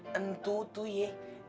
tentu tuh ye